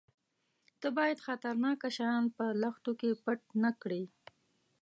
_ته بايد خطرناکه شيان په لښتو کې پټ نه کړې.